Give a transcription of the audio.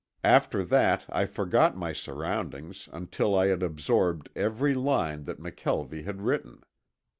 After that I forgot my surroundings until I had absorbed every line that McKelvie had written.